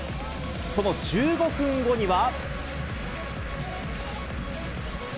その１５分後には。